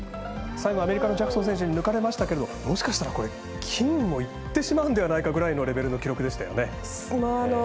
最後、アメリカのジャクソン選手に抜かれましたがもしかしたら金もいってしまうのではないかというレベルの記録でしたよね。